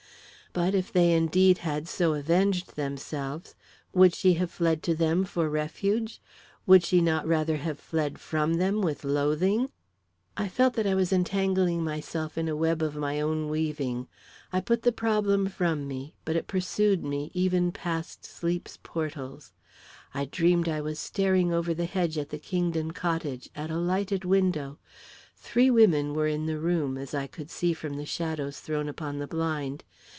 But if they, indeed, had so avenged themselves, would she have fled to them for refuge? Would she not rather have fled from them with loathing? I felt that I was entangling myself in a web of my own weaving. I put the problem from me, but it pursued me even past sleep's portals. I dreamed that I was staring over the hedge at the Kingdon cottage, at a lighted window. Three women were in the room, as I could see from the shadows thrown upon the blind.